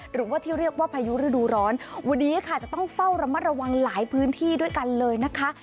หรือว่าที่เรียกว่าพายุฤดูร้อนวันนี้ค่ะจะต้องเฝ้าระมัดระวังหลายพื้นที่ด้วยกันเลยนะคะ